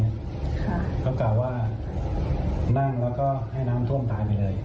นั่งแล้วก็ให้น้ำถ้วมตายไปเลย